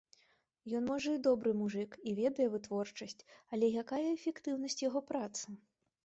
Ён, можа, і добры мужык, і ведае вытворчасць, але якая эфектыўнасць яго працы?